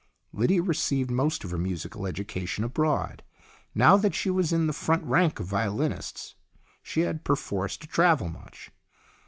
Lydia received most of her musical education abroad. Now that she was in the front rank of violinists she had perforce to travel much.